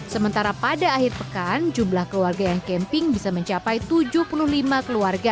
sementara pada akhir pekan jumlah keluarga yang camping bisa mencapai tujuh puluh lima keluarga